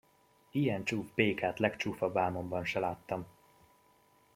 Ilyen csúf békát legcsúfabb álmomban se láttam!